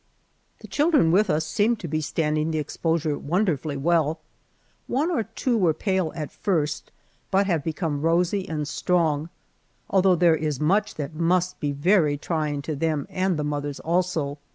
The children with us seem to be standing the exposure wonderfully well. One or two were pale at first, but have become rosy and strong, although there is much that must be very trying to them and the mothers also.